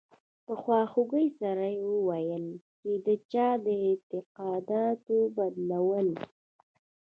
په خواخوږۍ سره یې وویل چې د چا د اعتقاداتو بدلول.